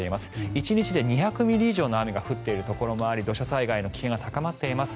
１日で２００ミリ以上の雨が降っているところがあり土砂災害の危険が高まっています。